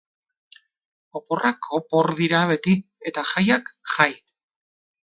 Oporrak opor dira beti, eta jaiak jai!